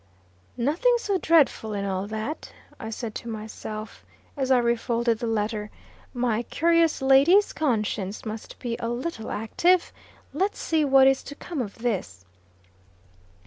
"Nothing so dreadful in all that," I said to myself, as I re folded the letter. "My curious lady's conscience must be a little active! Let's see what is to come of this."